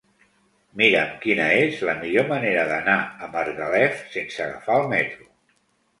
Mira'm quina és la millor manera d'anar a Margalef sense agafar el metro.